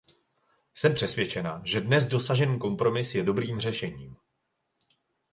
Jsem přesvědčena, že dnes dosažený kompromis je dobrým řešením.